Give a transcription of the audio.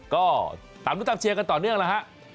ก็ตามทุกทางเชียร์กันต่อเนื่องนะครับ